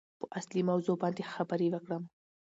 په اصلي موضوع باندې خبرې وکړم.